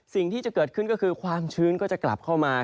สิ่งที่จะเกิดขึ้นก็คือความชื้นก็จะกลับเข้ามา